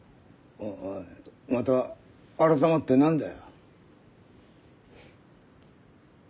おいまた改まって何だよ？